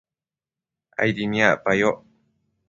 aidi niacpayoc